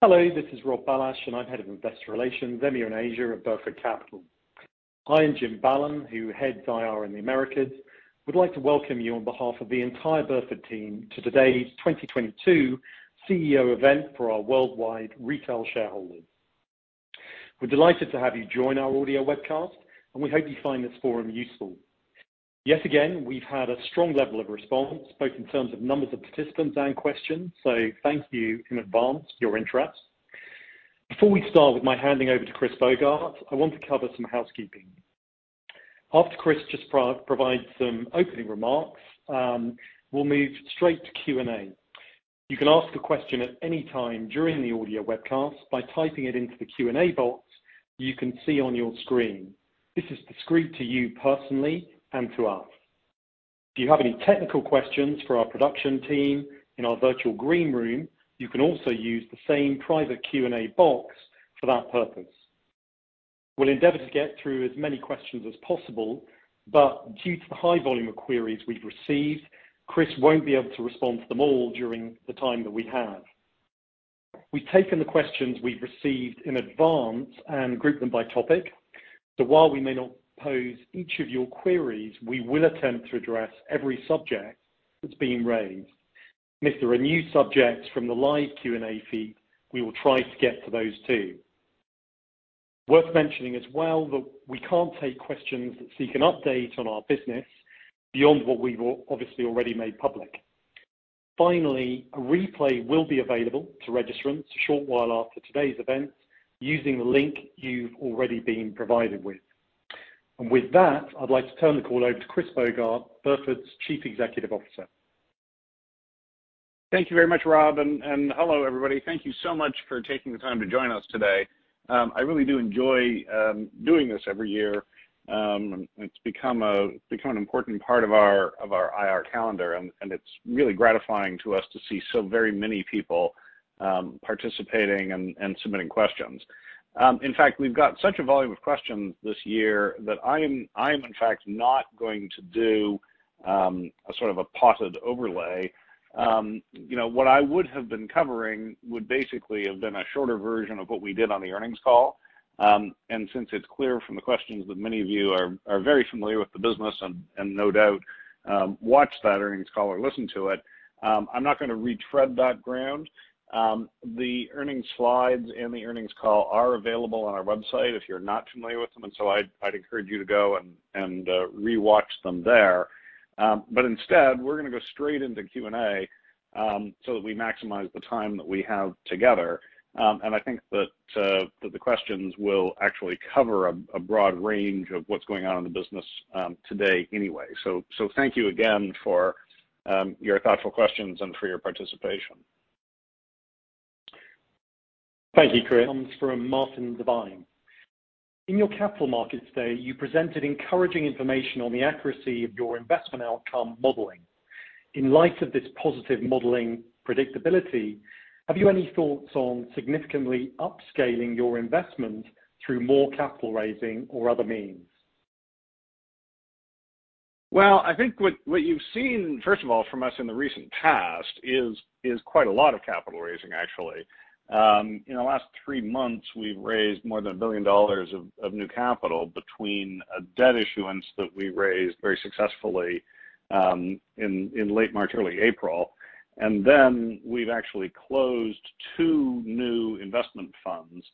Hello, this is Rob Bailhache, and I'm Head of Investor Relations, EMEA and Asia at Burford Capital. I and Jim Ballan, who heads IR in the Americas, would like to welcome you on behalf of the entire Burford team to today's 2022 CEO event for our worldwide retail shareholders. We're delighted to have you join our audio webcast, and we hope you find this forum useful. Yes again, we've had a strong level of response, both in terms of numbers of participants and questions. So thank you in advance for your interest. Before we start with my handing over to Chris Bogart, I want to cover some housekeeping. After Chris provides some opening remarks, we'll move straight to Q&A. You can ask a question at any time during the audio webcast by typing it into the Q&A box you can see on your screen. This is discreet to you personally and to us. If you have any technical questions for our production team in our virtual green room, you can also use the same private Q&A box for that purpose. We'll endeavor to get through as many questions as possible, but due to the high volume of queries we've received, Chris won't be able to respond to them all during the time that we have. We've taken the questions we've received in advance and grouped them by topic. While we may not pose each of your queries, we will attempt to address every subject that's been raised. If there are new subjects from the live Q&A feed, we will try to get to those too. Worth mentioning as well that we can't take questions that seek an update on our business beyond what we've obviously already made public. Finally, a replay will be available to registrants a short while after today's event using the link you've already been provided with. With that, I'd like to turn the call over to Chris Bogart, Burford's Chief Executive Officer. Thank you very much, Rob. Hello, everybody. Thank you so much for taking the time to join us today. I really do enjoy doing this every year. It's become an important part of our IR calendar, and it's really gratifying to us to see so very many people participating and submitting questions. In fact, we've got such a volume of questions this year that I am in fact not going to do a sort of a potted overlay. You know, what I would have been covering would basically have been a shorter version of what we did on the earnings call. Since it's clear from the questions that many of you are very familiar with the business and no doubt watched that earnings call or listened to it, I'm not gonna retread that ground. The earnings slides and the earnings call are available on our website if you're not familiar with them, and so I'd encourage you to go and rewatch them there. But instead, we're gonna go straight into Q&A so that we maximize the time that we have together. And I think that the questions will actually cover a broad range of what's going on in the business today anyway. So thank you again for your thoughtful questions and for your participation. Thank you, Chris. Comes from Martin Devine. In your capital markets day, you presented encouraging information on the accuracy of your investment outcome modeling. In light of this positive modeling predictability, have you any thoughts on significantly upscaling your investment through more capital raising or other means? Well, I think what you've seen, first of all, from us in the recent past is quite a lot of capital raising, actually. In the last three months, we've raised more than $1 billion of new capital between a debt issuance that we raised very successfully in late March, early April. We've actually closed two new investment funds.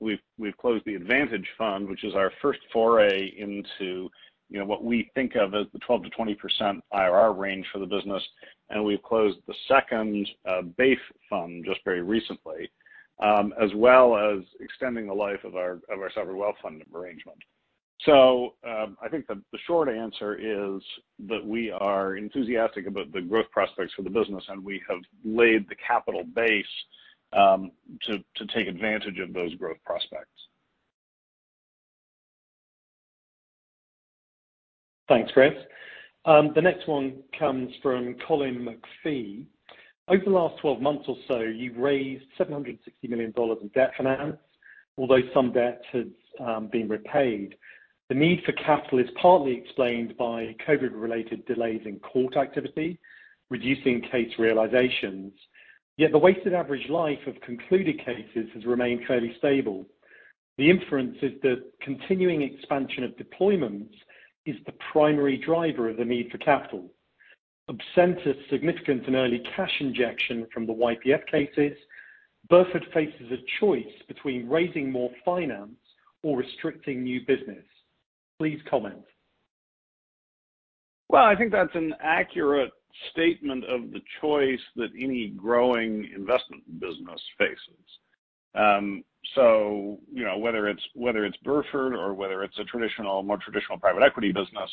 We've closed the Advantage Fund, which is our first foray into, you know, what we think of as the 12%-20% IRR range for the business. We've closed the second base fund just very recently, as well as extending the life of our sovereign wealth fund arrangement. So I think the short answer is that we are enthusiastic about the growth prospects for the business, and we have laid the capital base, to take advantage of those growth prospects. Thanks, Chris. The next one comes from Colin McPhee. Over the last 12 months or so, you've raised $760 million in debt finance, although some debt has been repaid. The need for capital is partly explained by COVID-related delays in court activity, reducing case realizations. Yet the weighted average life of concluded cases has remained fairly stable. The inference is that continuing expansion of deployments is the primary driver of the need for capital. Absent a significant and early cash injection from the YPF cases, Burford faces a choice between raising more finance or restricting new business. Please comment. Well, I think that's an accurate statement of the choice that any growing investment business faces. So you know, whether it's Burford or whether it's a more traditional private equity business,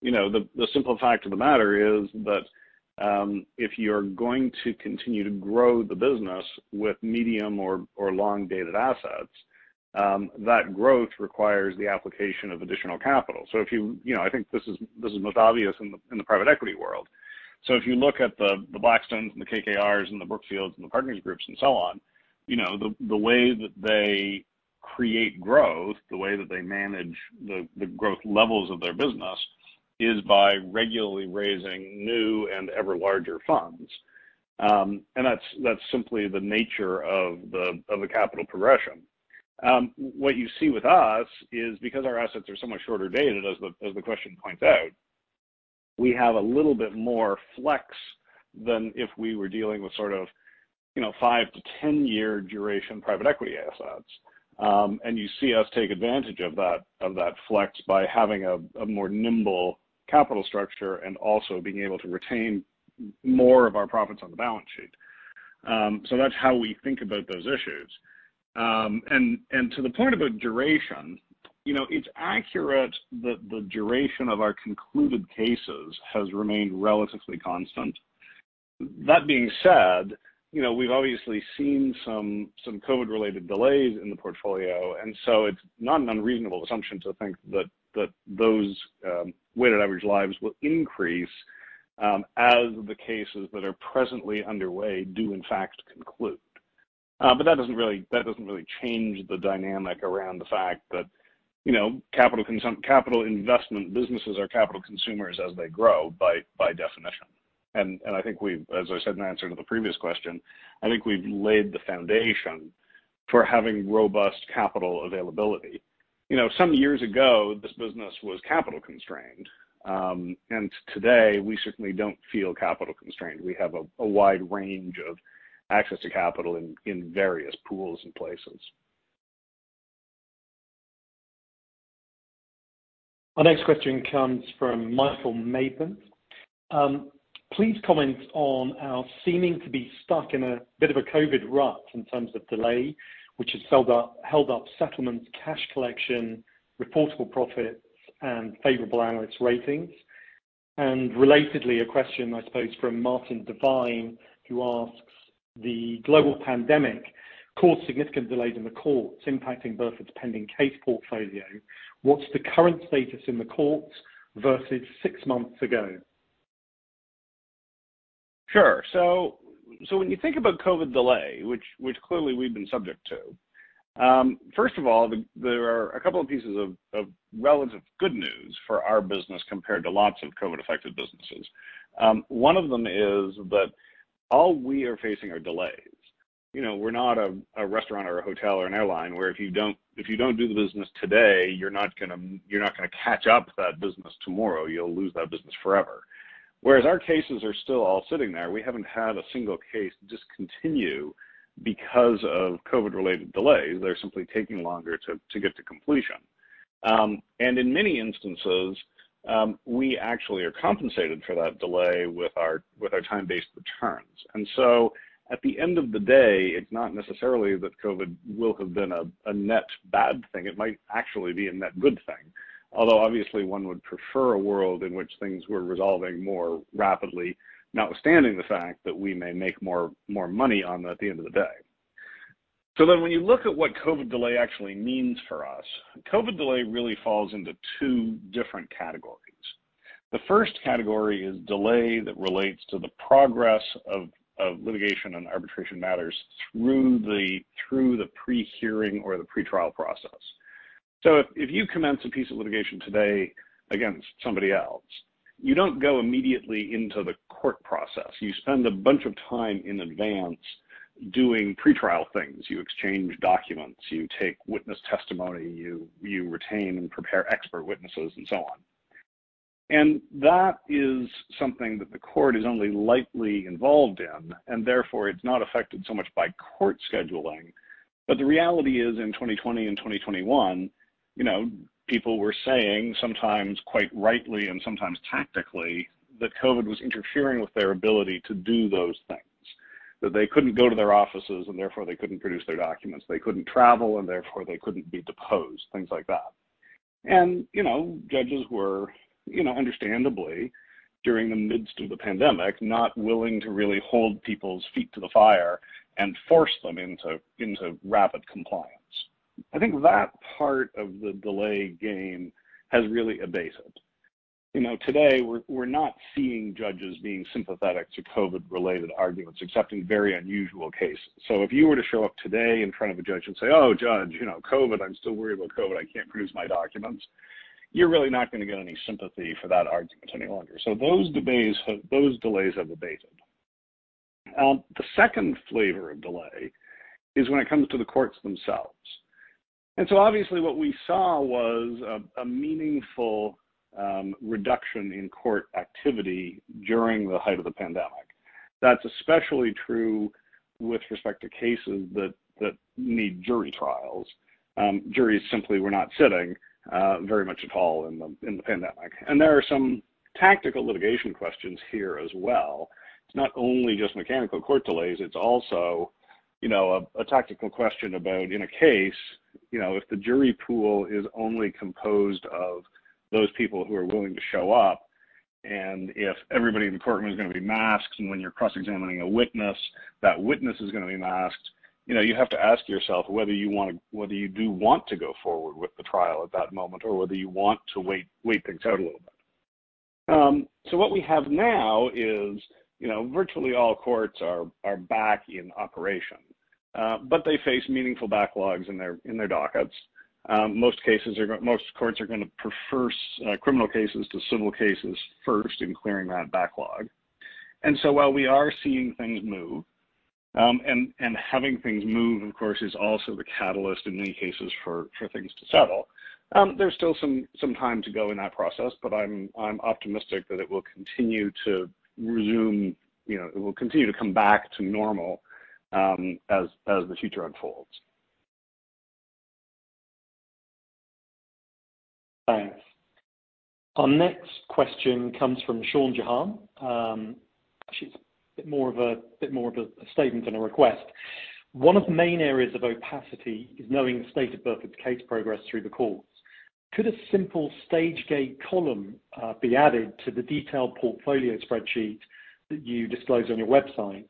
you know, the simple fact of the matter is that, if you're going to continue to grow the business with medium or long-dated assets, that growth requires the application of additional capital. You know, I think this is most obvious in the private equity world. If you look at the Blackstone and the KKR and the Brookfield and the Partners Group and so on. You know, the way that they create growth, the way that they manage the growth levels of their business is by regularly raising new and ever larger funds. That's simply the nature of the capital progression. What you see with us is because our assets are so much shorter dated, as the question points out, we have a little bit more flex than if we were dealing with sort of, you know, five to 10-year duration private equity assets. You see us take advantage of that flex by having a more nimble capital structure and also being able to retain more of our profits on the balance sheet. So that's how we think about those issues. And to the point about duration, you know, it's accurate that the duration of our concluded cases has remained relatively constant. That being said, you know, we've obviously seen some COVID-related delays in the portfolio, and so it's not an unreasonable assumption to think that those weighted average lives will increase as the cases that are presently underway do in fact conclude. That doesn't really change the dynamic around the fact that, you know, capital investment businesses are capital consumers as they grow by definition. And I think we, as I said in answer to the previous question, I think we've laid the foundation for having robust capital availability. You know, some years ago, this business was capital constrained. And today we certainly don't feel capital constrained. We have a wide range of access to capital in various pools and places. Our next question comes from Michael Maben. Please comment on our seeming to be stuck in a bit of a COVID rut in terms of delay, which has held up settlements, cash collection, reportable profits and favorable analyst ratings. And relatedly, a question, I suppose, from Martin Devine, who asks the global pandemic caused significant delays in the courts, impacting Burford's pending case portfolio. What's the current status in the courts versus six months ago? Sure. When you think about COVID delay, which clearly we've been subject to, first of all, there are a couple of pieces of relative good news for our business compared to lots of COVID-affected businesses. One of them is that all we are facing are delays. You know, we're not a restaurant or a hotel or an airline where if you don't do the business today, you're not gonna catch up that business tomorrow, you'll lose that business forever. Whereas our cases are still all sitting there. We haven't had a single case discontinue because of COVID-related delays. They're simply taking longer to get to completion. In many instances, we actually are compensated for that delay with our time-based returns. And so, at the end of the day, it's not necessarily that COVID will have been a net bad thing. It might actually be a net good thing. Although, obviously, one would prefer a world in which things were resolving more rapidly, notwithstanding the fact that we may make more money on that at the end of the day. So when you look at what COVID delay actually means for us, COVID delay really falls into two different categories. The first category is delay that relates to the progress of litigation and arbitration matters through the pre-hearing or the pretrial process. So if you commence a piece of litigation today against somebody else, you don't go immediately into the court process. You spend a bunch of time in advance doing pretrial things. You exchange documents, you take witness testimony, you retain and prepare expert witnesses and so on. And that is something that the court is only lightly involved in, and therefore it's not affected so much by court scheduling. But the reality is, in 2020 and 2021, you know, people were saying, sometimes quite rightly and sometimes tactically, that COVID was interfering with their ability to do those things, that they couldn't go to their offices and therefore they couldn't produce their documents. They couldn't travel, and therefore they couldn't be deposed, things like that. And you know, judges were, you know, understandably, during the midst of the pandemic, not willing to really hold people's feet to the fire and force them into rapid compliance. I think that part of the delay game has really abated. You know, today we're not seeing judges being sympathetic to COVID-related arguments, except in very unusual cases. If you were to show up today in front of a judge and say, "Oh, Judge, you know, COVID, I'm still worried about COVID, I can't produce my documents," you're really not gonna get any sympathy for that argument any longer. Those delays have abated. The second flavor of delay is when it comes to the courts themselves. And so obviously what we saw was a meaningful reduction in court activity during the height of the pandemic. That's especially true with respect to cases that need jury trials. Juries simply were not sitting very much at all in the pandemic. And there are some tactical litigation questions here as well. Not only just mechanical court delays, it's also, you know, a tactical question about in a case, you know, if the jury pool is only composed of those people who are willing to show up, and if everybody in the courtroom is gonna be masked, and when you're cross-examining a witness, that witness is gonna be masked, you know, you have to ask yourself whether you do want to go forward with the trial at that moment or whether you want to wait things out a little bit. So what we have now is, you know, virtually all courts are back in operation, but they face meaningful backlogs in their dockets. Most courts are gonna prefer criminal cases to civil cases first in clearing that backlog. While we are seeing things move, and having things move, of course, is also the catalyst in many cases for things to settle. There's still some time to go in that process, but I'm optimistic that it will continue to resume. You know, it will continue to come back to normal, as the future unfolds. Thanks. Our next question comes from Sean Jahan. Actually it's a bit more of a statement than a request. One of the main areas of opacity is knowing the state of Burford's case progress through the courts. Could a simple stage gate column be added to the detailed portfolio spreadsheet that you disclose on your website?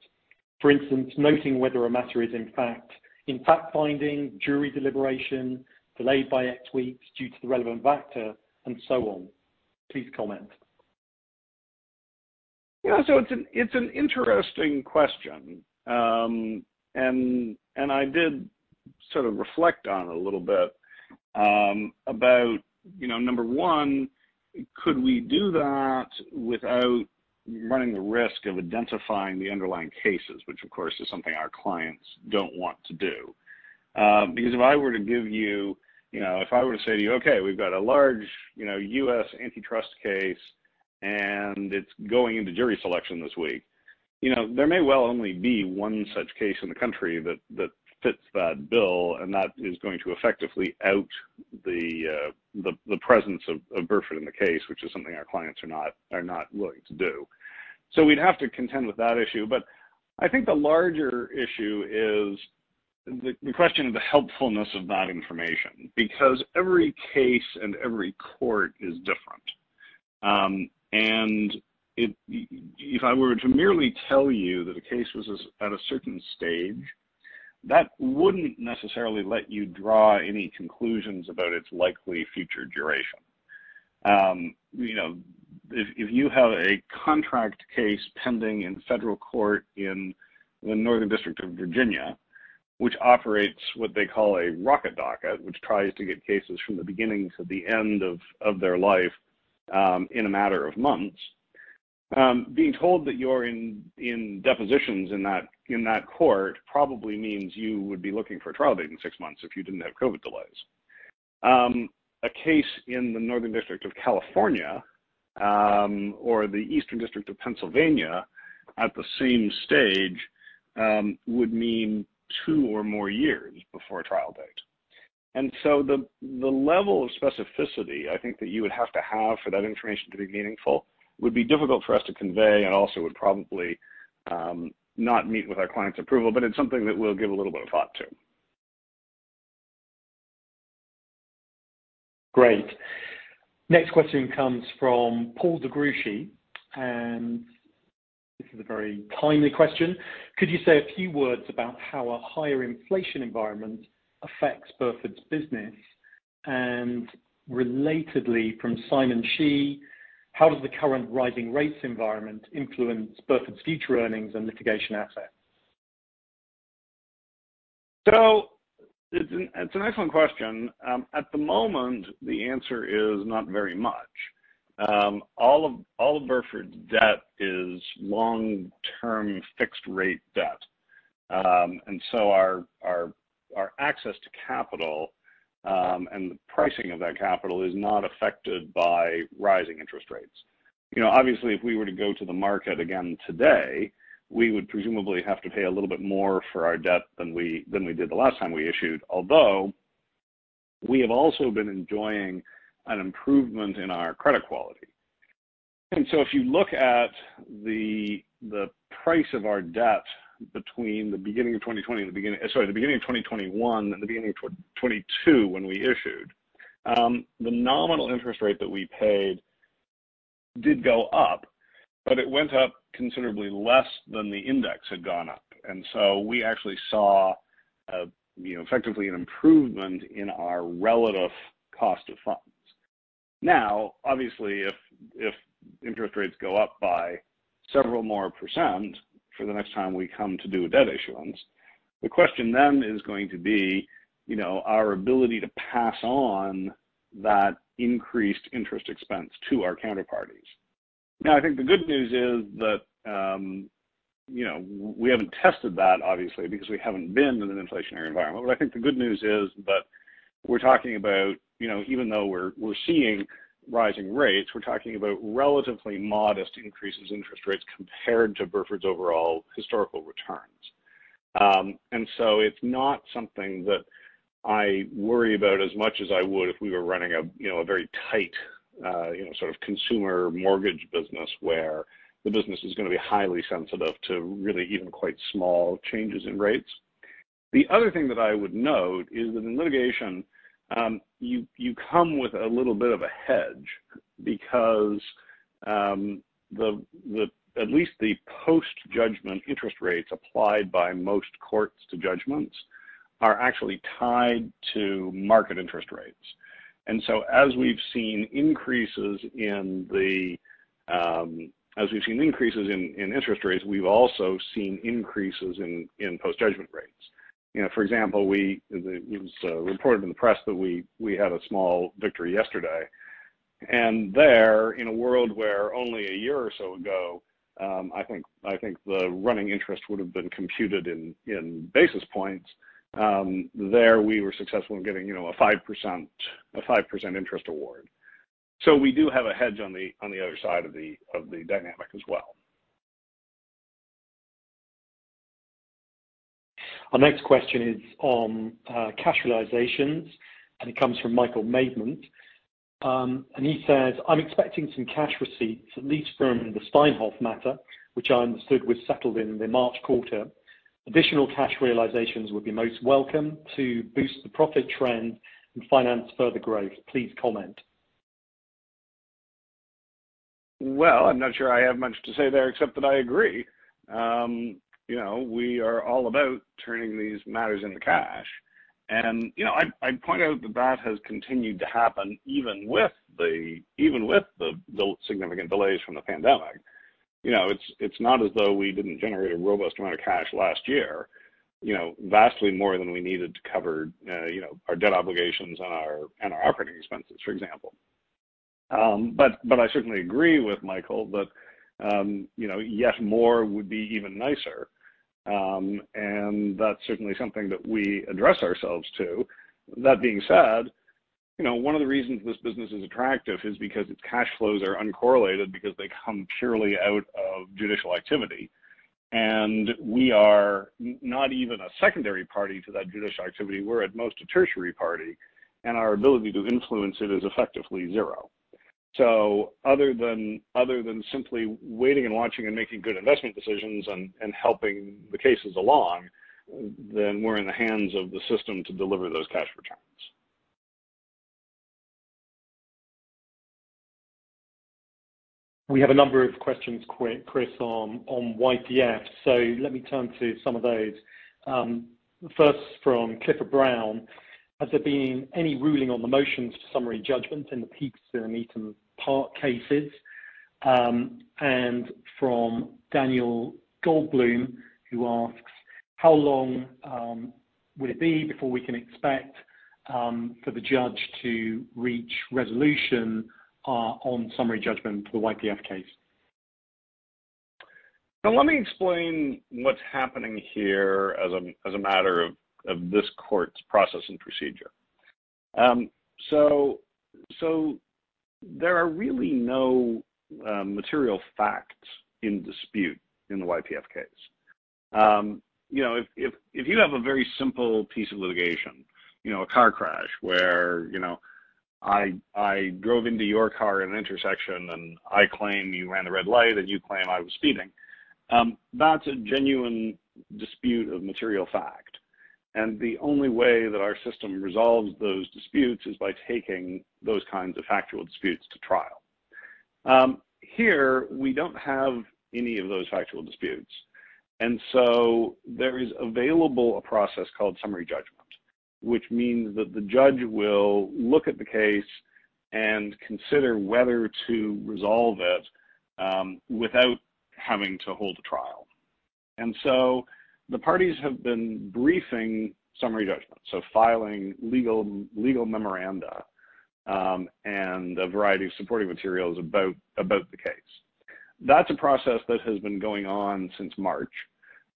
For instance, noting whether a matter is in fact-finding jury deliberation delayed by X weeks due to the relevant factor and so on. Please comment. Yeah. It's an interesting question. And I did sort of reflect on it a little bit, about, you know, number one, could we do that without running the risk of identifying the underlying cases, which of course is something our clients don't want to do. Because if I were to give you know, if I were to say to you, "Okay, we've got a large, you know, U.S. antitrust case and it's going into jury selection this week," you know, there may well only be one such case in the country that fits that bill, and that is going to effectively out the presence of Burford in the case, which is something our clients are not looking to do. We'd have to contend with that issue. I think the larger issue is the question of the helpfulness of that information, because every case and every court is different. And if I were to merely tell you that a case was at a certain stage, that wouldn't necessarily let you draw any conclusions about its likely future duration. You know, if you have a contract case pending in federal court in the Northern District of Virginia, which operates what they call a rocket docket, which tries to get cases from the beginning to the end of their life in a matter of months, being told that you're in depositions in that court probably means you would be looking for a trial date in six months if you didn't have COVID delays. A case in the Northern District of California, or the Eastern District of Pennsylvania at the same stage, would mean two or more years before a trial date. And so the level of specificity I think that you would have to have for that information to be meaningful would be difficult for us to convey and also would probably not meet with our clients' approval, but it's something that we'll give a little bit of thought to. Great. Next question comes from Paul De Gruchy, and this is a very timely question. Could you say a few words about how a higher inflation environment affects Burford's business? And relatedly, from Simon Shi. How does the current rising rates environment influence Burford's future earnings and litigation assets? So it's an excellent question. At the moment the answer is not very much. All of Burford's debt is long-term fixed rate debt. And so our access to capital and the pricing of that capital is not affected by rising interest rates. You know, obviously, if we were to go to the market again today, we would presumably have to pay a little bit more for our debt than we did the last time we issued, although we have also been enjoying an improvement in our credit quality. And so if you look at the price of our debt between the beginning of 2020 and the beginning. Sorry, the beginning of 2021 and the beginning of 2022 when we issued, the nominal interest rate that we paid did go up, but it went up considerably less than the index had gone up. We actually saw effectively an improvement in our relative cost of funds. Now, obviously, if interest rates go up by several more percent for the next time we come to do a debt issuance, the question then is going to be our ability to pass on that increased interest expense to our counterparties. Now, I think the good news is that we haven't tested that obviously because we haven't been in an inflationary environment. I think the good news is that we're talking about even though we're seeing rising rates, we're talking about relatively modest increases in interest rates compared to Burford's overall historical returns. And so it's not something that I worry about as much as I would if we were running a very tight sort of consumer mortgage business where the business is gonna be highly sensitive to really even quite small changes in rates. The other thing that I would note is that in litigation, you come with a little bit of a hedge because the at least the post-judgment interest rates applied by most courts to judgments are actually tied to market interest rates. As we've seen increases in the. As we've seen increases in interest rates, we've also seen increases in post-judgment rates. You know, for example, it was reported in the press that we had a small victory yesterday. And there, in a world where only a year or so ago, I think the running interest would have been computed in basis points, there we were successful in getting, you know, a 5% interest award. We do have a hedge on the other side of the dynamic as well. Our next question is on cash realizations, and it comes from Michael Maidment. He says, "I'm expecting some cash receipts, at least from the Steinhoff matter, which I understood was settled in the March quarter. Additional cash realizations would be most welcome to boost the profit trend and finance further growth. Please comment. Well, I'm not sure I have much to say there except that I agree. You know, we are all about turning these matters into cash. I'd point out that that has continued to happen even with the significant delays from the pandemic. You know, it's not as though we didn't generate a robust amount of cash last year, you know, vastly more than we needed to cover, you know, our debt obligations and our operating expenses, for example. But I certainly agree with Michael that you know, yet more would be even nicer. And that's certainly something that we address ourselves to. That being said, you know, one of the reasons this business is attractive is because its cash flows are uncorrelated because they come purely out of judicial activity. And we are not even a secondary party to that judicial activity, we're at most a tertiary party, and our ability to influence it is effectively zero. So other than simply waiting and watching and making good investment decisions and helping the cases along, then we're in the hands of the system to deliver those cash returns. We have a number of questions to Chris on YPF, so let me turn to some of those. First from Clifford Brown. Has there been any ruling on the motions for summary judgment in the Petersen and Eton Park cases? And from Daniel Goldbloom, who asks, how long would it be before we can expect for the judge to reach resolution on summary judgment for the YPF case? Let me explain what's happening here as a matter of this court's process and procedure. So there are really no material facts in dispute in the YPF case. You know, if you have a very simple piece of litigation, you know, a car crash where, you know, I drove into your car at an intersection, and I claim you ran a red light and you claim I was speeding, that's a genuine dispute of material fact. And the only way that our system resolves those disputes is by taking those kinds of factual disputes to trial. Here we don't have any of those factual disputes, and so there is available a process called summary judgment, which means that the judge will look at the case and consider whether to resolve it without having to hold a trial. And so the parties have been briefing summary judgments, so filing legal memoranda and a variety of supporting materials about the case. That's a process that has been going on since March,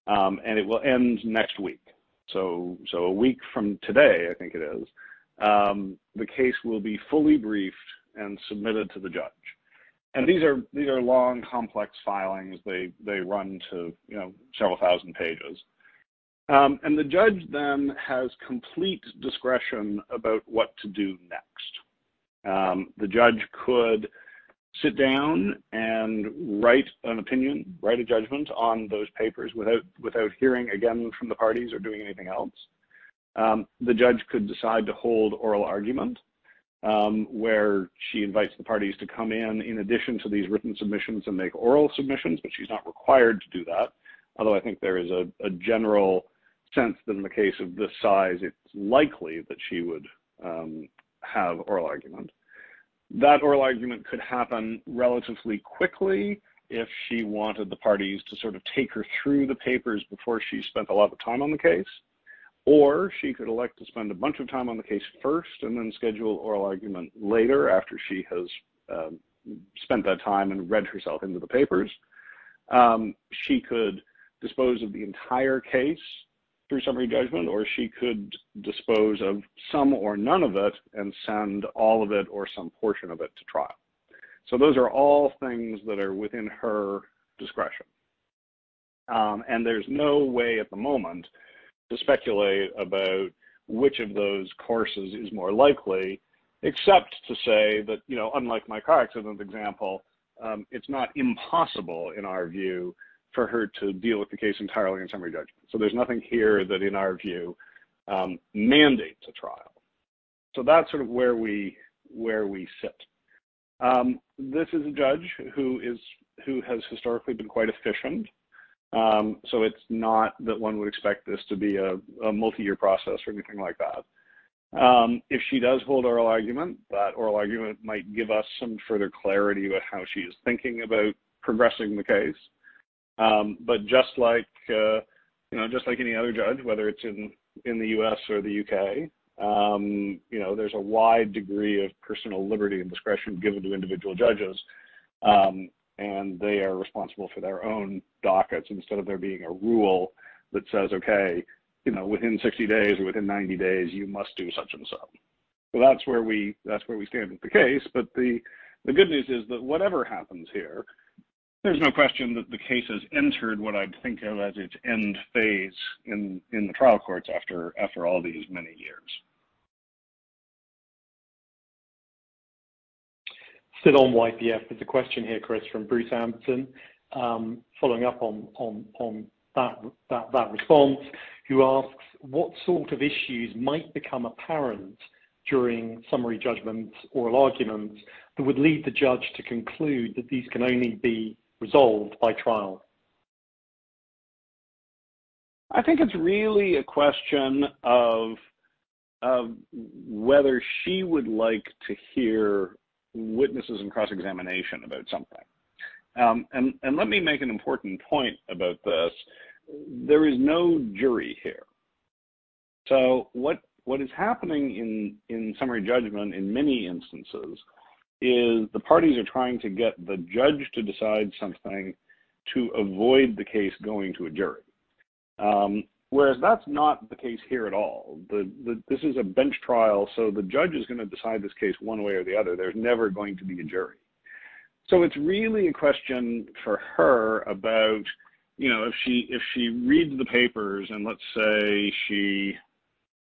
and it will end next week. So a week from today, I think it is, the case will be fully briefed and submitted to the judge. These are long, complex filings. They run to, you know, several thousand pages. The judge then has complete discretion about what to do next. The judge could sit down and write an opinion, write a judgment on those papers without hearing again from the parties or doing anything else. The judge could decide to hold oral argument, where she invites the parties to come in addition to these written submissions, and make oral submissions, but she's not required to do that, although I think there is a general sense that in a case of this size, it's likely that she would have oral argument. That oral argument could happen relatively quickly if she wanted the parties to sort of take her through the papers before she spent a lot of time on the case. Or she could elect to spend a bunch of time on the case first and then schedule oral argument later after she has spent that time and read herself into the papers. She could dispose of the entire case through summary judgment, or she could dispose of some or none of it and send all of it or some portion of it to trial. So those are all things that are within her discretion. And there's no way at the moment to speculate about which of those courses is more likely, except to say that, you know, unlike my car accident example, it's not impossible, in our view, for her to deal with the case entirely in summary judgment. So there's nothing here that, in our view, mandates a trial. So that's sort of where we sit. This is a judge who has historically been quite efficient, so it's not that one would expect this to be a multi-year process or anything like that. If she does hold oral argument, that oral argument might give us some further clarity about how she is thinking about progressing the case. But just like, you know, just like any other judge, whether it's in the U.S. or the U.K., you know, there's a wide degree of personal liberty and discretion given to individual judges, and they are responsible for their own dockets instead of there being a rule that says, "Okay, you know, within 60 days or within 90 days, you must do such and so." So that's where we stand with the case. But the good news is that whatever happens here, there's no question that the case has entered what I'd think of as its end phase in the trial courts after all these many years. Still on YPF, there's a question here, Chris, from Bruce Hamilton, following up on that response, who asks what sort of issues might become apparent during summary judgments, oral arguments that would lead the judge to conclude that these can only be resolved by trial? I think it's really a question of whether she would like to hear witnesses and cross-examination about something. Let me make an important point about this. There is no jury here. So what is happening in summary judgment in many instances is the parties are trying to get the judge to decide something to avoid the case going to a jury. Whereas that's not the case here at all. This is a bench trial, so the judge is gonna decide this case one way or the other. There's never going to be a jury. So it's really a question for her about, you know, if she reads the papers and let's say she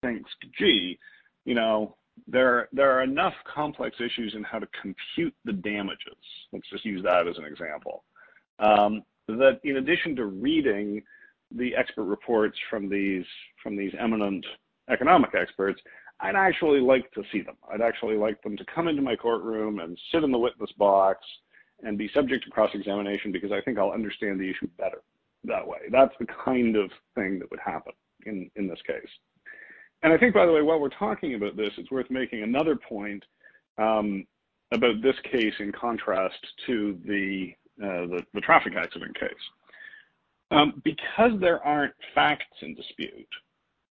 thinks, "Gee, you know, there are enough complex issues in how to compute the damages," let's just use that as an example, that in addition to reading the expert reports from these eminent economic experts, I'd actually like to see them. I'd actually like them to come into my courtroom and sit in the witness box and be subject to cross-examination because I think I'll understand the issue better that way. That's the kind of thing that would happen in this case. And I think, by the way, while we're talking about this, it's worth making another point about this case in contrast to the traffic accident case. Because there aren't facts in dispute,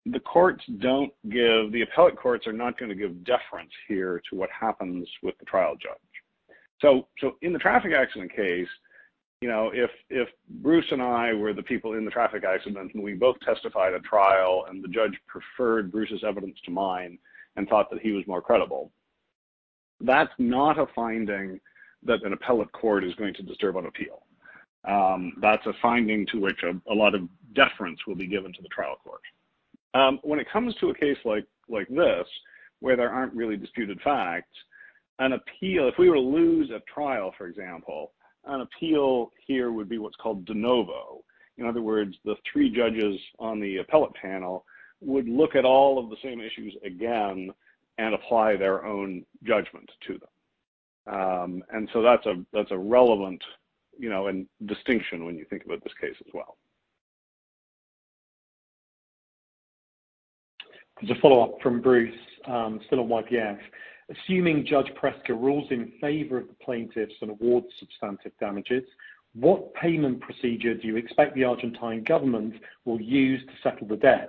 the courts don't give. The appellate courts are not gonna give deference here to what happens with the trial judge. So in the traffic accident case, you know, if Bruce and I were the people in the traffic accident and we both testified at trial and the judge preferred Bruce's evidence to mine and thought that he was more credible, that's not a finding that an appellate court is going to disturb on appeal. That's a finding to which a lot of deference will be given to the trial court. When it comes to a case like this, where there aren't really disputed facts, if we were to lose at trial, for example, an appeal here would be what's called de novo. In other words, the three judges on the appellate panel would look at all of the same issues again and apply their own judgment to them. And so that's a relevant, you know, and distinction when you think about this case as well. There's a follow-up from Bruce, still on YPF. Assuming Judge Preska rules in favor of the plaintiffs and awards substantial damages, what payment procedure do you expect the Argentine government will use to settle the debt?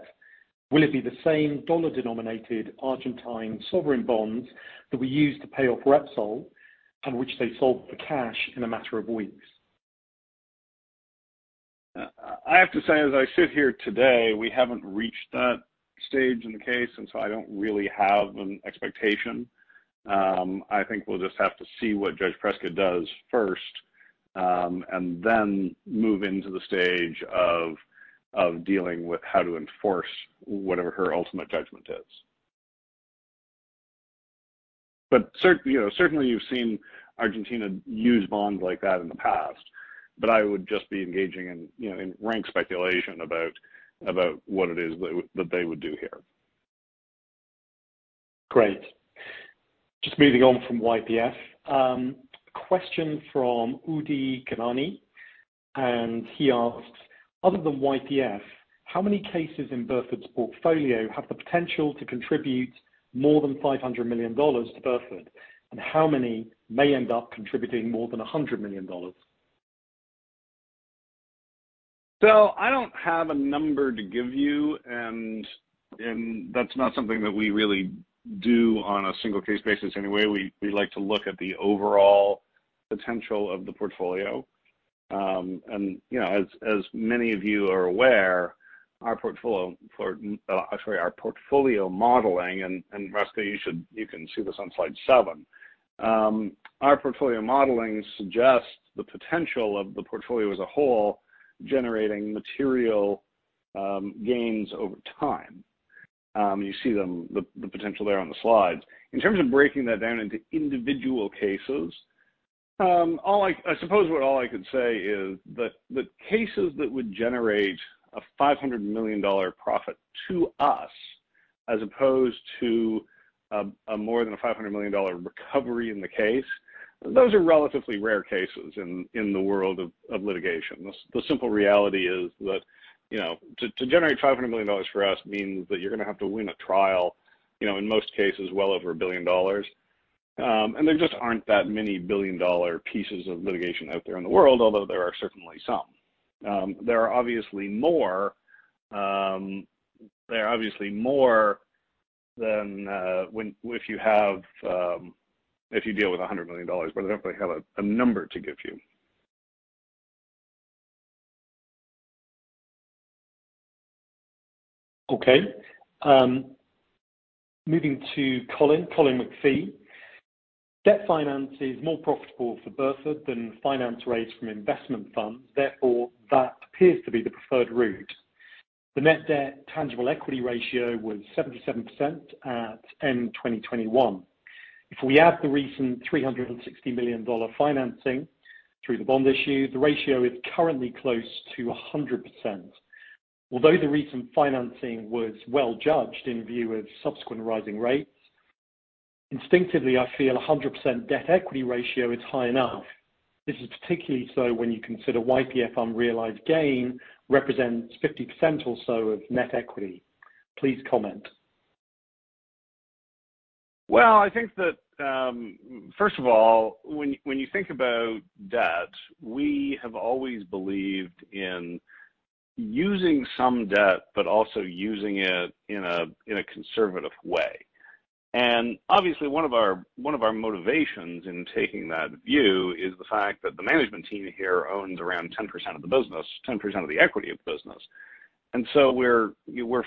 Will it be the same dollar-denominated Argentine sovereign bonds that we used to pay off Repsol and which they sold for cash in a matter of weeks? I have to say, as I sit here today, we haven't reached that stage in the case, and so I don't really have an expectation. I think we'll just have to see what Judge Preska does first, and then move into the stage of dealing with how to enforce whatever her ultimate judgment is. But certainly you've seen Argentina use bonds like that in the past, but I would just be engaging in, you know, in rank speculation about what it is that they would do here. Great. Just moving on from YPF. Question from Udi Knaani, and he asks, other than YPF, how many cases in Burford's portfolio have the potential to contribute more than $500 million to Burford? And how many may end up contributing more than $100 million? So I don't have a number to give you, and that's not something that we really do on a single case basis anyway. We like to look at the overall potential of the portfolio. And you know, as many of you are aware, our portfolio modeling, and Ruska, you can see this on slide seven. Our portfolio modeling suggests the potential of the portfolio as a whole generating material gains over time. You see them, the potential there on the slides. In terms of breaking that down into individual cases, I suppose all I could say is that the cases that would generate a $500 million profit to us as opposed to a more than a $500 million recovery in the case, those are relatively rare cases in the world of litigation. The simple reality is that, you know, to generate $500 million for us means that you're gonna have to win a trial, you know, in most cases well over $1 billion. There just aren't that many billion-dollar pieces of litigation out there in the world, although there are certainly some. There are obviously more than if you deal with $100 million, but I don't really have a number to give you. Okay. Moving to Colin McPhee. Debt finance is more profitable for Burford than finance raised from investment funds, therefore, that appears to be the preferred route. The net debt tangible equity ratio was 77% at end 2021. If we add the recent $360 million financing through the bond issue, the ratio is currently close to 100%. Although the recent financing was well judged in view of subsequent rising rates, instinctively I feel a 100% debt equity ratio is high enough. This is particularly so when you consider YPF unrealized gain represents 50% or so of net equity. Please comment. Well, I think that, first of all, when you think about debt, we have always believed in using some debt, but also using it in a conservative way. And obviously one of our motivations in taking that view is the fact that the management team here owns around 10% of the business, 10% of the equity of the business. And so we're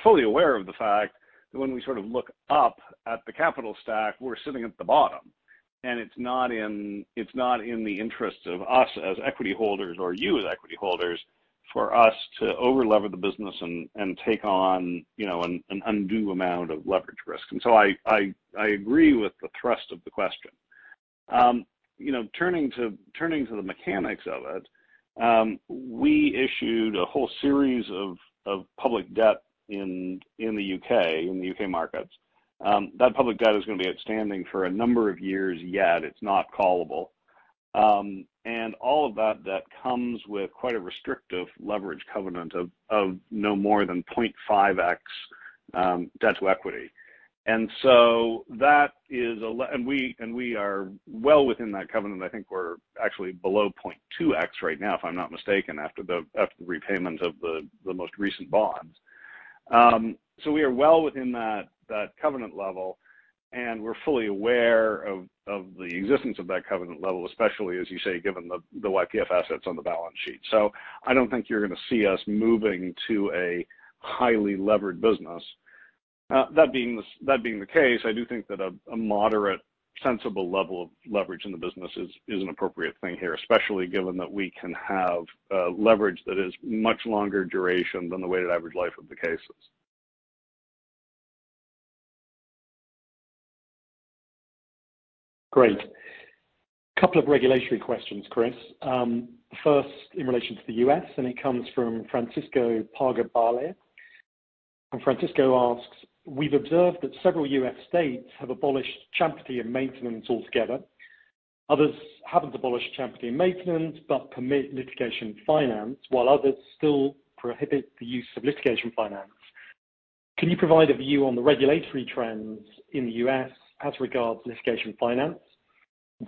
fully aware of the fact that when we sort of look up at the capital stack, we're sitting at the bottom, and it's not in the interest of us as equity holders or you as equity holders for us to over-lever the business and take on, you know, an undue amount of leverage risk. And so I agree with the thrust of the question. You know, turning to the mechanics of it, we issued a whole series of public debt in the U.K. markets. That public debt is gonna be outstanding for a number of years yet. It's not callable. All of that debt comes with quite a restrictive leverage covenant of no more than 0.5x debt-to-equity. And so that is, and we are well within that covenant. I think we're actually below 0.2x right now, if I'm not mistaken, after the repayment of the most recent bonds. So we are well within that covenant level, and we're fully aware of the existence of that covenant level, especially as you say, given the YPF assets on the balance sheet. So I don't think you're gonna see us moving to a highly levered business. That being the case, I do think that a moderate sensible level of leverage in the business is an appropriate thing here, especially given that we can have leverage that is much longer duration than the weighted average life of the cases. Great. Couple of regulatory questions, Chris. First in relation to the U.S., and it comes from Francisco Pagabale. Francisco asks, we've observed that several U.S. states have abolished champerty and maintenance altogether. Others haven't abolished champerty and maintenance, but permit litigation finance, while others still prohibit the use of litigation finance. Can you provide a view on the regulatory trends in the U.S. as regards litigation finance?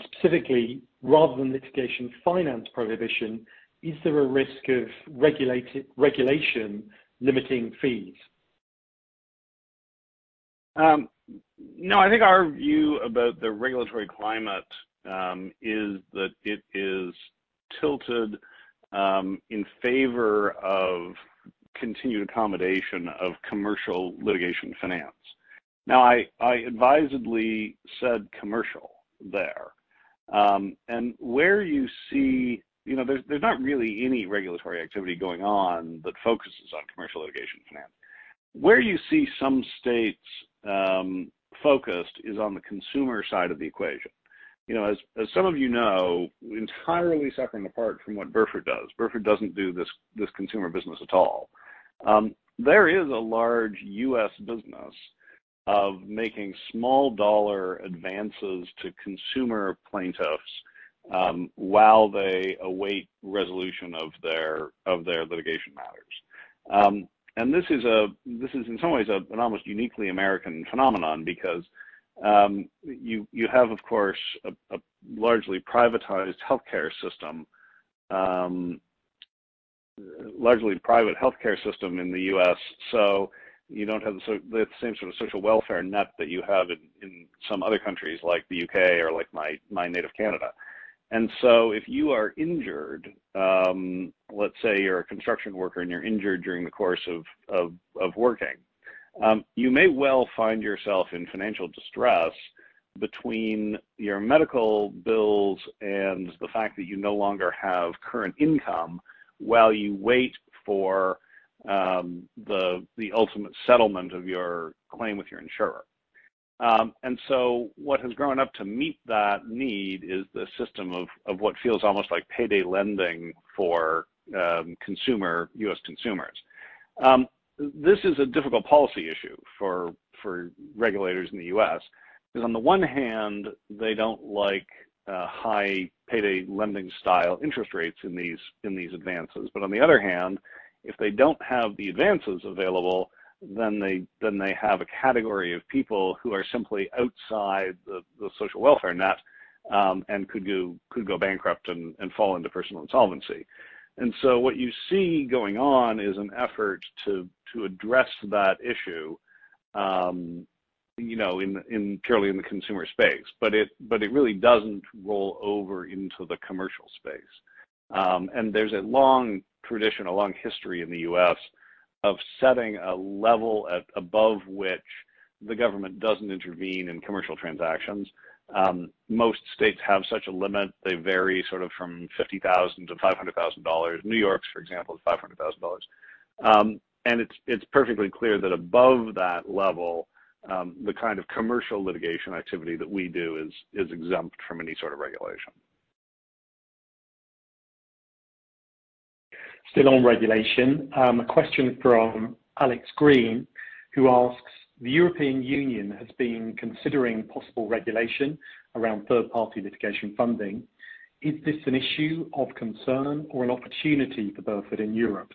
Specifically, rather than litigation finance prohibition, is there a risk of regulation limiting fees? No. I think our view about the regulatory climate is that it is tilted in favor of continued accommodation of commercial litigation finance. Now I advisedly said commercial there, and where you see. You know, there's not really any regulatory activity going on that focuses on commercial litigation finance. Where you see some states focused is on the consumer side of the equation. You know, as some of you know, entirely separate and apart from what Burford does, Burford doesn't do this consumer business at all. There is a large U.S. business of making small dollar advances to consumer plaintiffs while they await resolution of their litigation matters. And this is in some ways an almost uniquely American phenomenon because you have, of course, a largely privatized healthcare system, largely private healthcare system in the U.S. You don't have the same sort of social welfare net that you have in some other countries like the U.K. or like my native Canada. And so if you are injured, let's say you're a construction worker and you're injured during the course of working, you may well find yourself in financial distress between your medical bills and the fact that you no longer have current income while you wait for the ultimate settlement of your claim with your insurer. And so what has grown up to meet that need is the system of what feels almost like payday lending for consumer U.S. consumers. This is a difficult policy issue for regulators in the U.S., because on the one hand, they don't like high payday lending style interest rates in these advances. But on the other hand, if they don't have the advances available, then they have a category of people who are simply outside the social welfare net, and could go bankrupt and fall into personal insolvency. And so what you see going on is an effort to address that issue, you know, in purely the consumer space. It really doesn't roll over into the commercial space. And there's a long tradition, a long history in the U.S. of setting a level above which the government doesn't intervene in commercial transactions. Most states have such a limit. They vary sort of from $50,000-$500,000. New York's, for example, is $500,000. And it's perfectly clear that above that level, the kind of commercial litigation activity that we do is exempt from any sort of regulation. Still on regulation, a question from Alex Green, who asks, the European Union has been considering possible regulation around third-party litigation funding. Is this an issue of concern or an opportunity for Burford in Europe?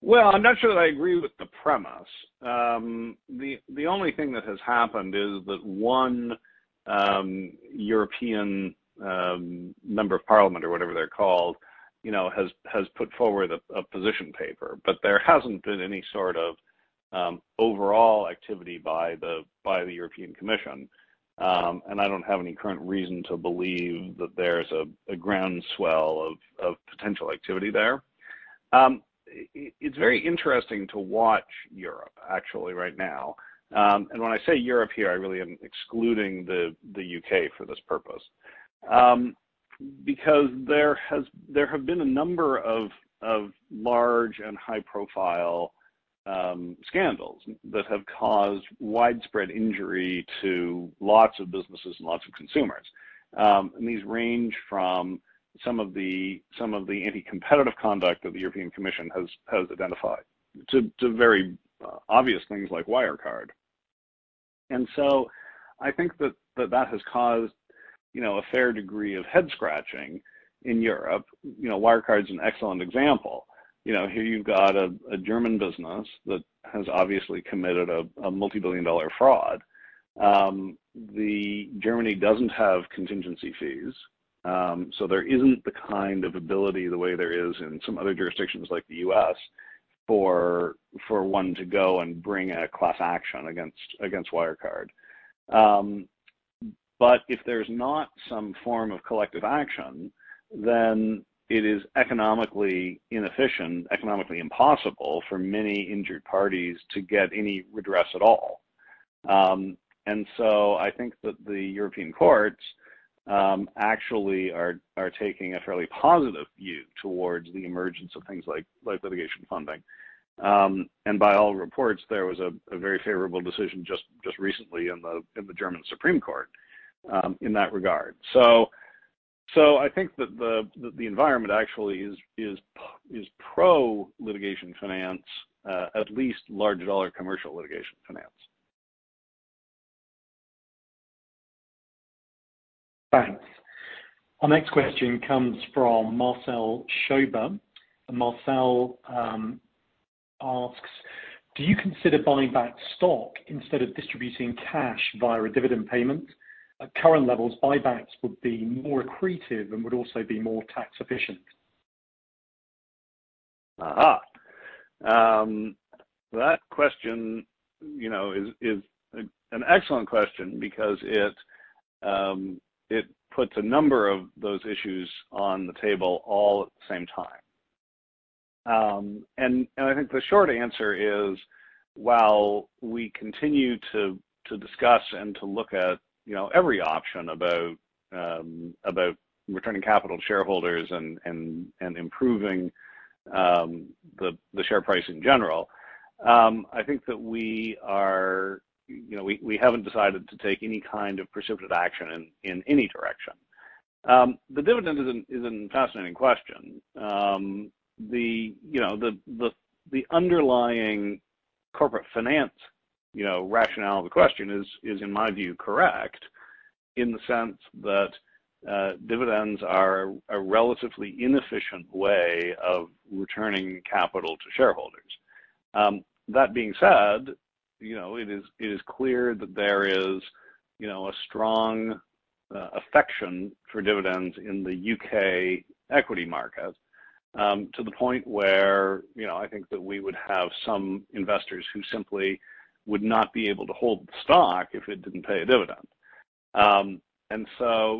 Well, I'm not sure that I agree with the premise. The only thing that has happened is that one European Member of Parliament or whatever they're called, you know, has put forward a position paper, but there hasn't been any sort of overall activity by the European Commission. And I don't have any current reason to believe that there's a groundswell of potential activity there. It's very interesting to watch Europe actually right now. When I say Europe here, I really am excluding the U.K. for this purpose. Because there have been a number of large and high-profile scandals that have caused widespread injury to lots of businesses and lots of consumers. And these range from some of the anti-competitive conduct that the European Commission has identified to very obvious things like Wirecard. And so I think that that has caused, you know, a fair degree of head-scratching in Europe. You know, Wirecard's an excellent example. You know, here you've got a German business that has obviously committed a multi-billion dollar fraud. The Germany doesn't have contingency fees, so there isn't the kind of ability the way there is in some other jurisdictions like the U.S. for one to go and bring a class action against Wirecard. But if there's not some form of collective action, then it is economically inefficient, economically impossible for many injured parties to get any redress at all. And so I think that the European courts actually are taking a fairly positive view towards the emergence of things like litigation funding. And by all reports, there was a very favorable decision just recently in the German Supreme Court in that regard. So I think that the environment actually is pro-litigation finance, at least large dollar commercial litigation finance. Thanks. Our next question comes from Marcel Schober, and Marcel, asks, do you consider buying back stock instead of distributing cash via a dividend payment? At current levels, buybacks would be more accretive and would also be more tax efficient. That question, you know, is an excellent question because it puts a number of those issues on the table all at the same time. I think the short answer is, while we continue to discuss and to look at, you know, every option about returning capital to shareholders and improving the share price in general, I think that we haven't decided to take any kind of precipitous action in any direction. The dividend is an fascinating question. The underlying corporate finance, you know, rationale of the question is, in my view, correct in the sense that dividends are a relatively inefficient way of returning capital to shareholders. That being said, you know, it is clear that there is, you know, a strong affection for dividends in the U.K. equity market, to the point where, you know, I think that we would have some investors who simply would not be able to hold the stock if it didn't pay a dividend.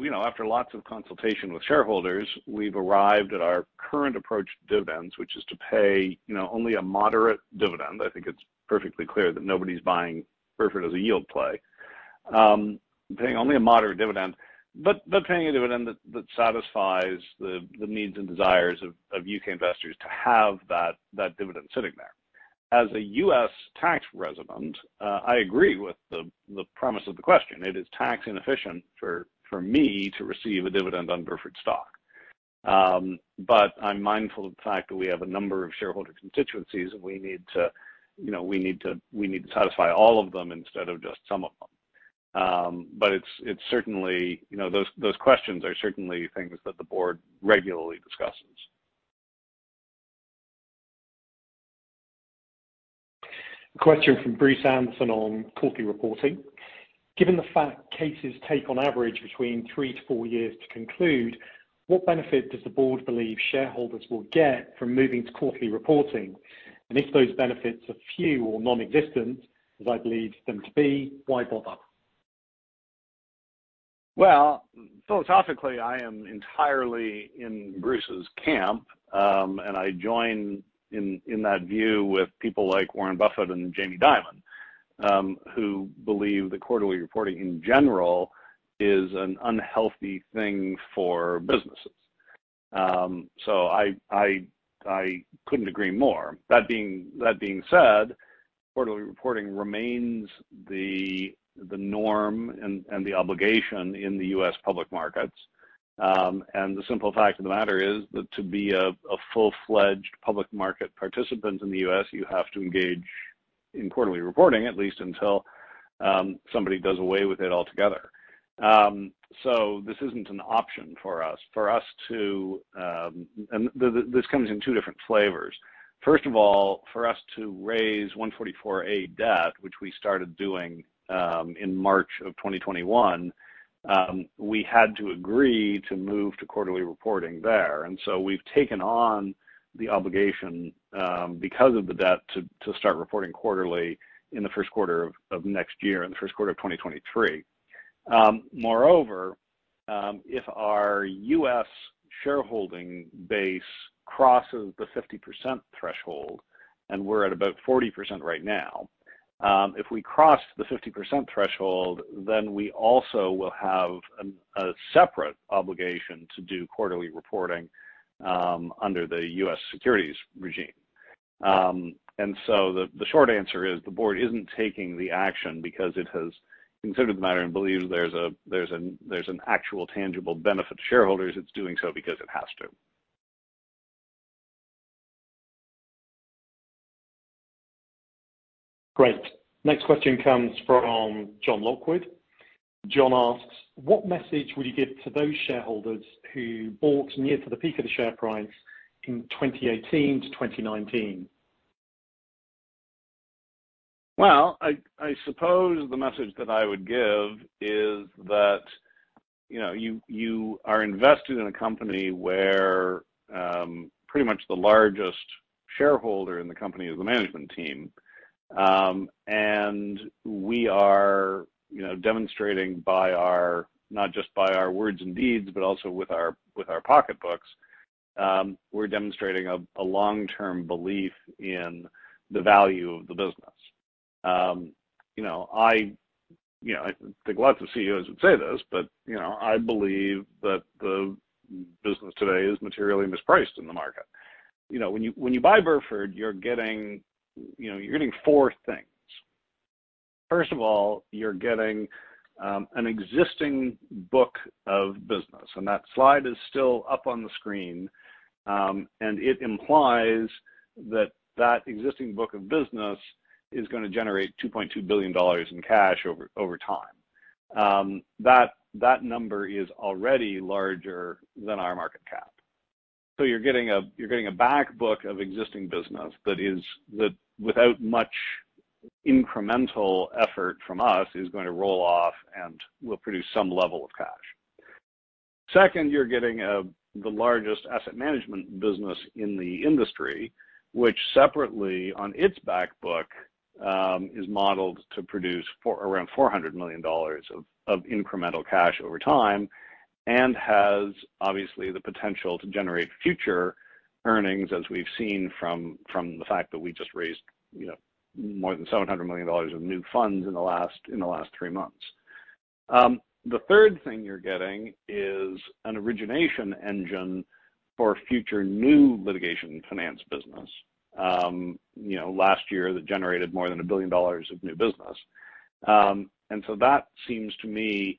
You know, after lots of consultation with shareholders, we've arrived at our current approach to dividends, which is to pay, you know, only a moderate dividend. I think it's perfectly clear that nobody's buying Burford as a yield play. Paying only a moderate dividend, but paying a dividend that satisfies the needs and desires of U.K. investors to have that dividend sitting there. As a U.S. tax resident, I agree with the premise of the question. It is tax inefficient for me to receive a dividend on Burford stock. But I'm mindful of the fact that we have a number of shareholder constituencies, and we need to satisfy all of them instead of just some of them. But it's certainly, you know, those questions are certainly things that the board regularly discusses. A question from Bruce Anderson on quarterly reporting. Given the fact cases take on average between three to four years to conclude, what benefit does the board believe shareholders will get from moving to quarterly reporting? If those benefits are few or non-existent, as I believe them to be, why bother? Well, philosophically, I am entirely in Bruce's camp, and I join in that view with people like Warren Buffett and Jamie Dimon, who believe that quarterly reporting in general is an unhealthy thing for businesses. So I couldn't agree more. That being said, quarterly reporting remains the norm and the obligation in the U.S. public markets. And the simple fact of the matter is that to be a full-fledged public market participant in the U.S., you have to engage in quarterly reporting at least until somebody does away with it altogether. So this isn't an option for us. For us to, this comes in two different flavors. First of all, for us to raise 144A debt, which we started doing in March of 2021, we had to agree to move to quarterly reporting there. We've taken on the obligation because of the debt to start reporting quarterly in the first quarter of next year, in the first quarter of 2023. Moreover, if our U.S. shareholding base crosses the 50% threshold, and we're at about 40% right now, if we cross the 50% threshold, then we also will have a separate obligation to do quarterly reporting under the U.S. securities regime. The short answer is the board isn't taking the action because it has considered the matter and believes there's an actual tangible benefit to shareholders. It's doing so because it has to. Great. Next question comes from John Lockwood. John asks, what message would you give to those shareholders who bought near to the peak of the share price in 2018 to 2019? Well, I suppose the message that I would give is that, you know, you are invested in a company where pretty much the largest shareholder in the company is the management team. We are, you know, demonstrating by our, not just by our words and deeds, but also with our pocketbooks, we're demonstrating a long-term belief in the value of the business. You know, I think lots of CEOs would say this, but, you know, I believe that the business today is materially mispriced in the market. You know, when you buy Burford, you're getting, you know, you're getting four things. First of all, you're getting an existing book of business, and that slide is still up on the screen. And it implies that existing book of business is gonna generate $2.2 billion in cash over time. That number is already larger than our market cap. So you're getting a back book of existing business that without much incremental effort from us, is gonna roll off and will produce some level of cash. Second, you're getting the largest asset management business in the industry, which separately on its back book, is modeled to produce around $400 million of incremental cash over time, and has obviously the potential to generate future earnings, as we've seen from the fact that we just raised, you know, more than $700 million of new funds in the last three months. The third thing you're getting is an origination engine for future new litigation finance business. You know, last year that generated more than $1 billion of new business. And so that seems to me,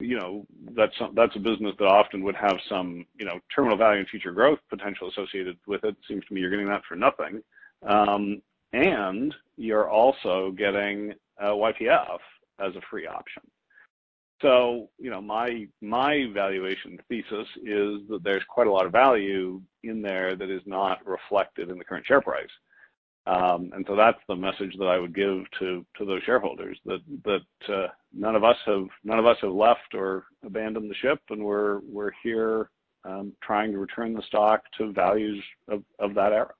you know, that's a business that often would have some, you know, terminal value and future growth potential associated with it. Seems to me you're getting that for nothing. And you're also getting YPF as a free option. So you know, my valuation thesis is that there's quite a lot of value in there that is not reflected in the current share price. And that's the message that I would give to those shareholders. That none of us have left or abandoned the ship, and we're here trying to return the stock to values of that era.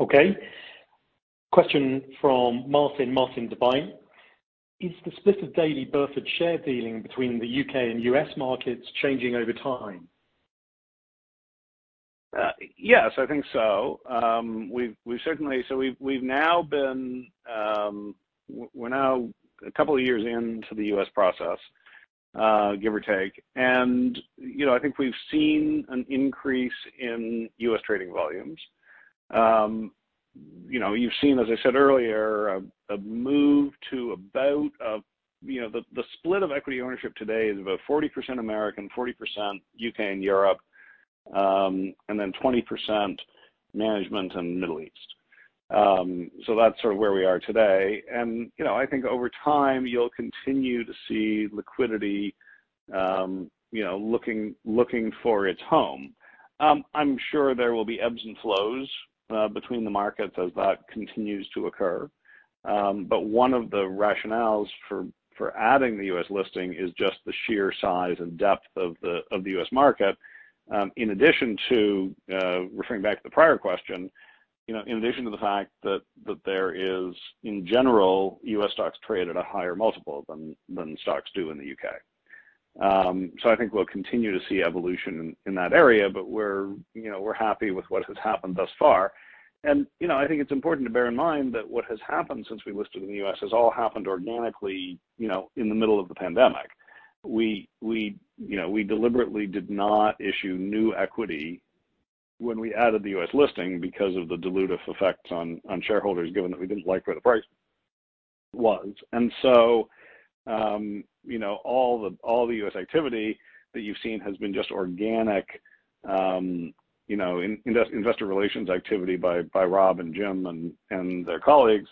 Okay. Question from Martin. Martin Devine. Is the split of daily Burford share dealing between the U.K. and U.S. markets changing over time? Yes, I think so. We've certainly, so, we've now been, we're now a couple of years into the U.S. process, give or take. And you know, I think we've seen an increase in U.S. trading volumes. You know, you've seen, as I said earlier, a move to about the split of equity ownership today is about 40% American, 40% U.K. and Europe, and then 20% management in Middle East. That's sort of where we are today. You know, I think over time you'll continue to see liquidity looking for its home. I'm sure there will be ebbs and flows between the markets as that continues to occur. But one of the rationales for adding the U.S. listing is just the sheer size and depth of the U.S. market, in addition to referring back to the prior question, you know, in addition to the fact that there is, in general, U.S. Stocks trade at a higher multiple than stocks do in the U.K. I think we'll continue to see evolution in that area, but you know, we're happy with what has happened thus far. I think it's important to bear in mind that what has happened since we listed in the U.S. has all happened organically, you know, in the middle of the pandemic. We, you know, we deliberately did not issue new equity when we added the U.S. listing because of the dilutive effects on shareholders, given that we didn't like where the price was. You know, all the U.S. activity that you've seen has been just organic investor relations activity by Rob and Jim and their colleagues,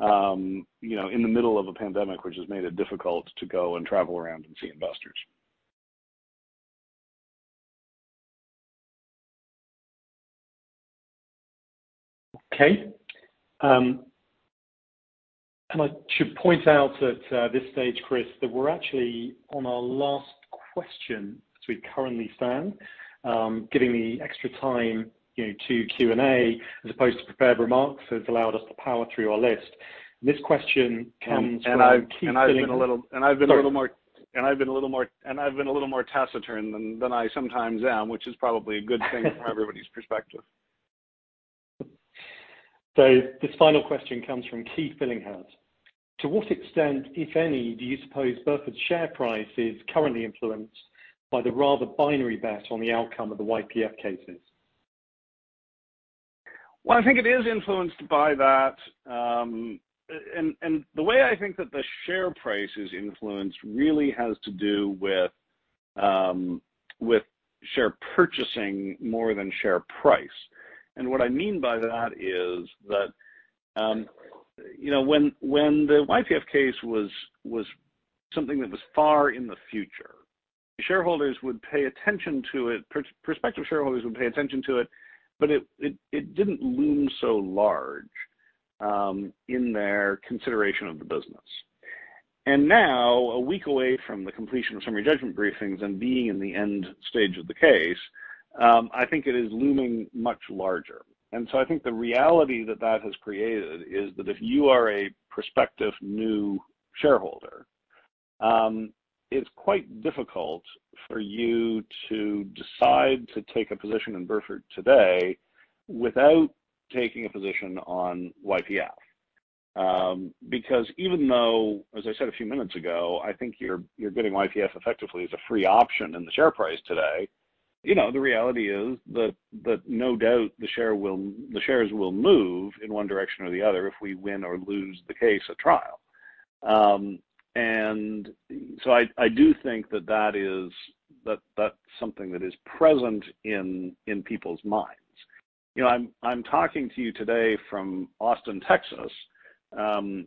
you know, in the middle of a pandemic, which has made it difficult to go and travel around and see investors. Okay. I should point out at this stage, Chris, that we're actually on our last question as we currently stand. Giving the extra time, you know, to Q&A as opposed to prepared remarks has allowed us to power through our list. This question comes. I've been a little more taciturn than I sometimes am, which is probably a good thing from everybody's perspective. So this final question comes from Keith Fillingham. To what extent, if any, do you suppose Burford's share price is currently influenced by the rather binary bet on the outcome of the YPF cases? Well, I think it is influenced by that. The way I think that the share price is influenced really has to do with share purchasing more than share price. What I mean by that is that, you know, when the YPF case was something that was far in the future, prospective shareholders would pay attention to it, but it didn't loom so large in their consideration of the business. And now, a week away from the completion of summary judgment briefings and being in the end stage of the case, I think it is looming much larger. I think the reality that has created is that if you are a prospective new shareholder, it's quite difficult for you to decide to take a position in Burford today without taking a position on YPF. Because even though, as I said a few minutes ago, I think you're getting YPF effectively as a free option in the share price today. You know, the reality is that no doubt the shares will move in one direction or the other if we win or lose the case at trial. And so I do think that that's something that is present in people's minds. You know, I'm talking to you today from Austin, Texas. I'm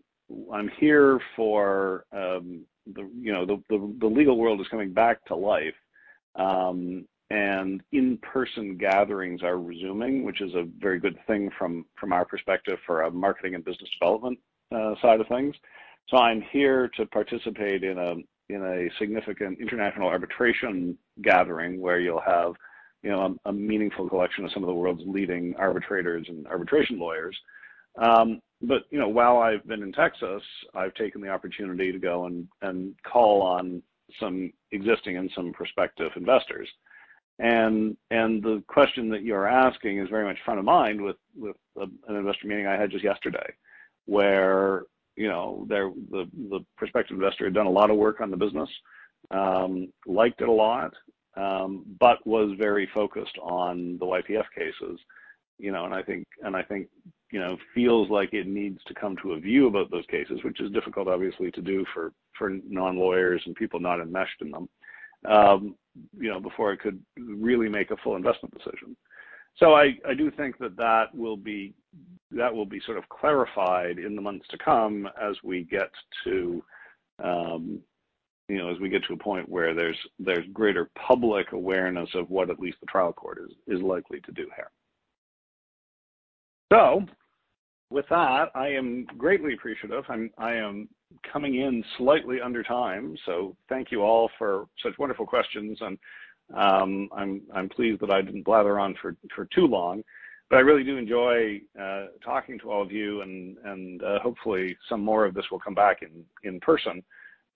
here for, you know, the legal world is coming back to life, and in-person gatherings are resuming, which is a very good thing from our perspective for a marketing and business development side of things. So I'm here to participate in a significant international arbitration gathering where you'll have, you know, a meaningful collection of some of the world's leading arbitrators and arbitration lawyers. While I've been in Texas, I've taken the opportunity to go and call on some existing and some prospective investors. And the question that you're asking is very much front of mind with an investor meeting I had just yesterday, where, you know, the prospective investor had done a lot of work on the business, liked it a lot, but was very focused on the YPF cases. You know, I think it feels like it needs to come to a view about those cases, which is difficult, obviously, to do for non-lawyers and people not enmeshed in them, you know, before it could really make a full investment decision. I do think that will be sort of clarified in the months to come as we get to a point where there's greater public awareness of what at least the trial court is likely to do here. With that, I am greatly appreciative. I am coming in slightly under time, so thank you all for such wonderful questions and, I'm pleased that I didn't blather on for too long. I really do enjoy talking to all of you and, hopefully some more of this will come back in person.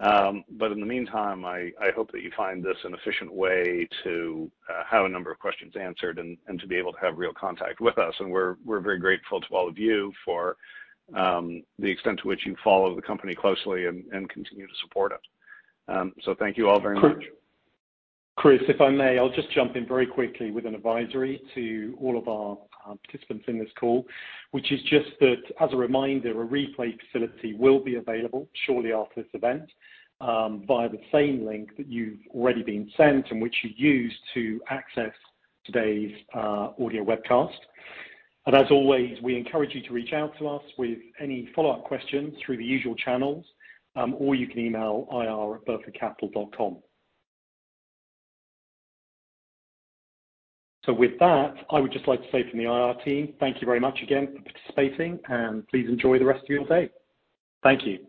In the meantime, I hope that you find this an efficient way to have a number of questions answered and to be able to have real contact with us. We're very grateful to all of you for the extent to which you follow the company closely and continue to support us. So thank you all very much. Chris, if I may, I'll just jump in very quickly with an advisory to all of our participants in this call, which is just that, as a reminder, a replay facility will be available shortly after this event via the same link that you've already been sent and which you used to access today's audio webcast. And as always, we encourage you to reach out to us with any follow-up questions through the usual channels, or you can email ir@burfordcapital.com. With that, I would just like to say from the IR team, thank you very much again for participating, and please enjoy the rest of your day. Thank you.